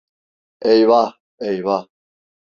Eyvah, eyvah.